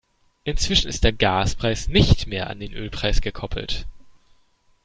Inzwischen ist der Gaspreis nicht mehr an den Ölpreis gekoppelt.